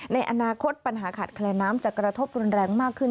ในอนาคตปัญหาขาดแคลนน้ำจะกระทบรุนแรงมากขึ้น